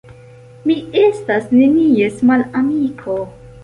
Mi estas nenies malamiko.